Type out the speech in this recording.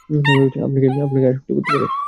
আপনাকে আসক্ত করতে পারে।